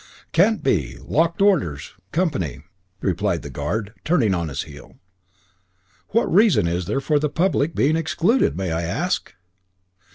"Can't be, lock'd, orders, comp'ny," replied the guard, turning on his heel. "What reason is there for the public's being excluded, may I ask?"